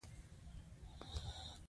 ورلسټ نواب وزیر ته اطمینان ورکړ.